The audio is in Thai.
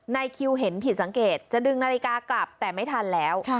นายคิวเห็นผิดสังเกตจะดึงนาฬิกากลับแต่ไม่ทันแล้ว